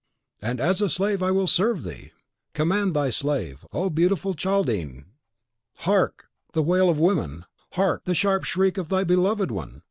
"And as a slave will I serve thee! Command thy slave, O beautiful Chaldean! Hark, the wail of women! hark, the sharp shriek of thy beloved one!